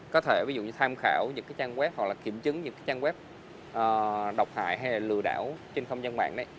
có thể ví dụ như tham khảo những trang web hoặc là kiểm chứng những trang web độc hại hay lừa đảo trên không gian mạng